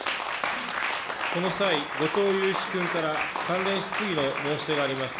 この際、後藤祐一君から関連質疑の申し出があります。